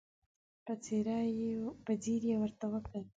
په ځير يې ورته وکتل.